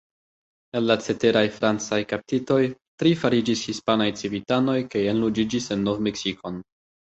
El la ceteraj francaj kaptitoj, tri fariĝis hispanaj civitanoj kaj enloĝiĝis en Nov-Meksikon.